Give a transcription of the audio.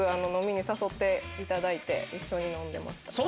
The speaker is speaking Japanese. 誘っていただいて一緒に飲んでました。